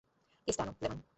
কেসটা আনো, লেমন।